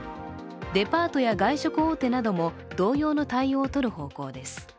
デパートや外食大手なども同様の対応を取る方向です。